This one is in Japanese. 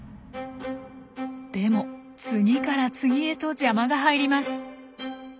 でも次から次へと邪魔が入ります。